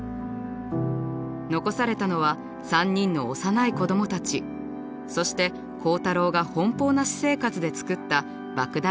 残されたのは３人の幼い子どもたちそして好太郎が奔放な私生活で作ったばく大な借金でした。